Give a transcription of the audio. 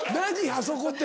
「あそこ」って。